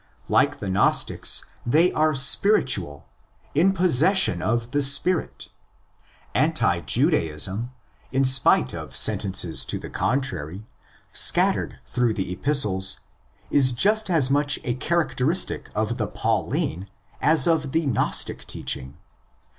Like the Gnostics, they are '' spiritual" (πνευματικοῖ), in possession of "' the spirit "' (ro πνεῦμα). Anti Judaism, in spite of sentences to the contrary scattered through the Epistles, is just as much a characteristic of the Pauline as of the Gnostic teaching.